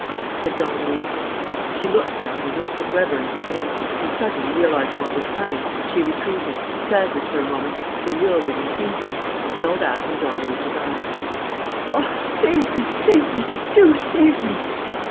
said Don Luis. She looked at him and looked at Weber and his men; and, suddenly, realizing what was coming, she retreated, staggered for a moment, bewildered and fainting, and fell back in Don Luis's arms: "Oh, save me, save me! Do save me!"